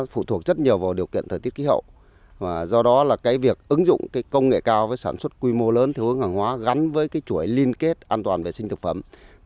phụ thuộc rất nhiều vào điều kiện thời tiết kí hậu do đó là cái việc ứng dụng công nghệ cao với sản xuất quy mô lớn theo hướng hàng hóa gắn với cái chuỗi liên kết an toàn vệ sinh thực phẩm